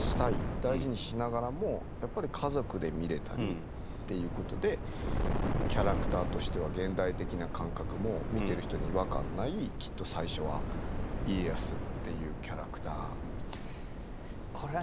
大事にしながらもやっぱり家族で見れたりっていうことでキャラクターとしては現代的な感覚も見てる人に違和感ないきっと最初は家康っていうキャラクター。